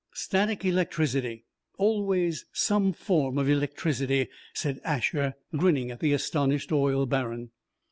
"Static electricity always some form of electricity," said Asher grinning at the astonished oil baron.